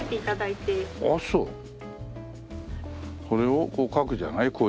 これをこう描くじゃない？